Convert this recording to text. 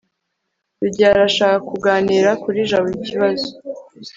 rugeyo arashaka kuganira kuri jabo ikibazo